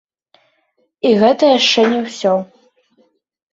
І гэта яшчэ не ўсё!